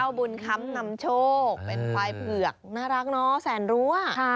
บุญคำนำโชคเป็นควายเผือกน่ารักเนาะแสนรั้ว